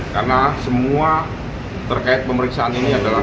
karena semua terkait pemeriksaan ini adalah